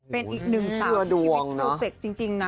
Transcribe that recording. เป็นอีกหนึ่งสามที่มีคลุกเศษจริงนะค่ะ